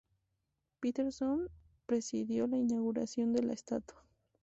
Patterson presidió la inauguración de la estatua.